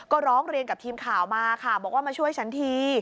ก็ร้องเรียนกับทีมข่าวมาค่ะบอกว่ามาช่วยฉันที